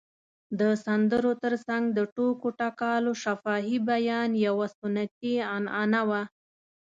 د سندرو تر څنګ د ټوکو ټکالو شفاهي بیان یوه سنتي عنعنه وه.